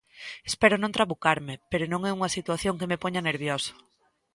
Espero non trabucarme, pero non é unha situación que me poña nervioso.